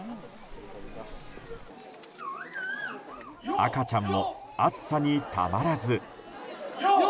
赤ちゃんも暑さにたまらず。